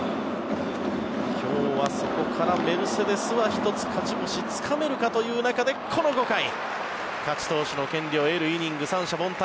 今日はそこからメルセデスは１つ勝ち星つかめるかという中でこの５回勝ち投手の権利を得るイニング三者凡退。